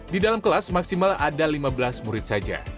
di dalam kelas maksimal ada lima belas murid saja